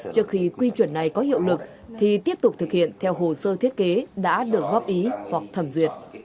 trước khi quy chuẩn này có hiệu lực thì tiếp tục thực hiện theo hồ sơ thiết kế đã được góp ý hoặc thẩm duyệt